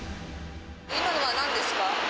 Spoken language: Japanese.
今のはなんですか？